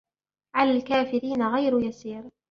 عَلَى الْكَافِرِينَ غَيْرُ يَسِيرٍ